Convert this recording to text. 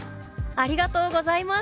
「ありがとうございます。